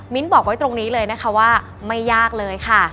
บอกไว้ตรงนี้เลยนะคะว่าไม่ยากเลยค่ะ